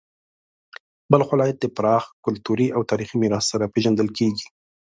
بلخ ولایت د پراخ کلتوري او تاریخي میراث سره پیژندل کیږي.